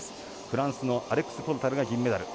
フランスのアレクス・ポルタルが銀メダル。